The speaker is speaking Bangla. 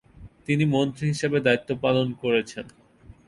তিনি মন্ত্রী হিসেবে দায়িত্বপালন করেছেন।